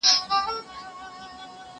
زه بايد لیکل وکړم؟